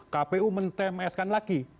kpu men tms kan lagi